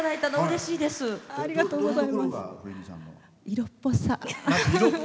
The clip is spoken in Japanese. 色っぽさ。